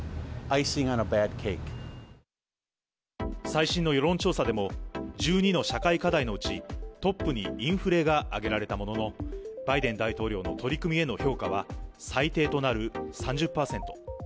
最新の世論調査でも、１２の社会課題のうち、トップにインフレが挙げられたものの、バイデン大統領の取り組みへの評価は、最低となる３０％。